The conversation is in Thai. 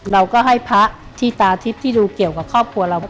เราก็ให้พระที่ตาทิพย์ที่ดูเกี่ยวกับครอบครัวเรา